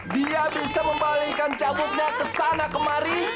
dia bisa membalikan cabutnya kesana kemari